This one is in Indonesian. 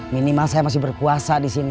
minimal saya masih berkuasa di sini